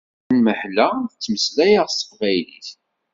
Deg tenmehla ttmeslayeɣ s teqbaylit.